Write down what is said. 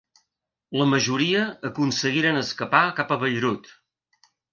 La majoria aconseguiren escapar cap a Beirut.